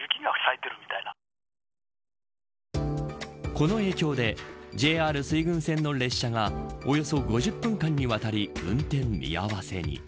この影響でＪＲ水郡線の列車がおよそ５０分間にわたり運転見合わせに。